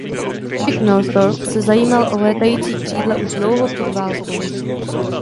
Jack Northrop se zajímal o létající křídla už dlouho před válkou.